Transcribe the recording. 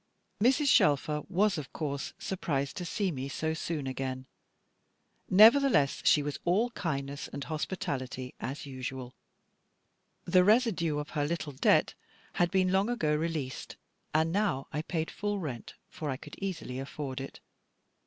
Mrs. Shelfer was of course surprised to see me so soon again. Nevertheless she was all kindness and hospitality, as usual. The residue of her little debt had been long ago released, and now I paid full rent, for I could easily afford it.